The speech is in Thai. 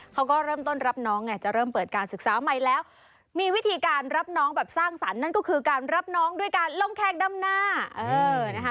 เขาก็เริ่มต้นรับน้องไงจะเริ่มเปิดการศึกษาใหม่แล้วมีวิธีการรับน้องแบบสร้างสรรค์นั่นก็คือการรับน้องด้วยการล่องแคกดำหน้าเออนะคะ